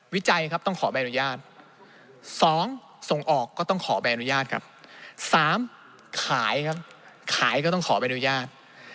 วิจัยครับต้องขอใบอนุญาต๒ส่งออกก็ต้องขอใบอนุญาตครับ๓ขายครับขายก็ต้องขอใบอนุญาต